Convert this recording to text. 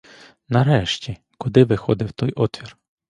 Нарешті, куди виходив той отвір?